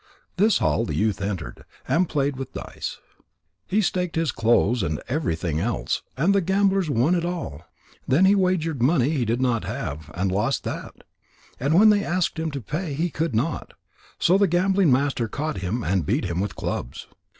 This hall the youth entered, and played with dice. He staked his clothes and everything else, and the gamblers won it all. Then he wagered money he did not have, and lost that. And when they asked him to pay, he could not. So the gambling master caught him and beat him with clubs.